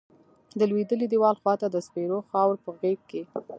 د لویدلیی دیوال خواتہ د سپیرو خاور پہ غیز کیی